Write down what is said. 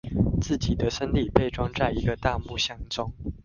自己的身體被裝在一個大木箱中